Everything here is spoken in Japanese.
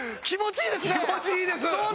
気持ちいいですね。